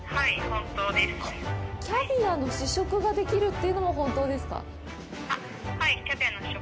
キャビアの試食ができるというのも本当ですか？